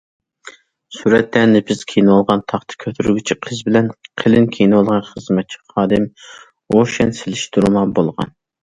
سۈرەتتە، نېپىز كىيىنىۋالغان تاختا كۆتۈرگۈچى قىز بىلەن قىلىن كىيىنىۋالغان خىزمەتچى خادىم روشەن سېلىشتۇرما بولغان.